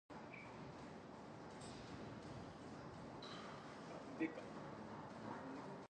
The success of the song helped this album go platinum.